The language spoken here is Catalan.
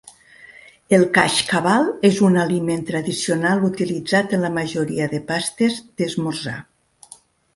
El kashkaval és un aliment tradicional utilitzat en la majoria de pastes d'esmorzar.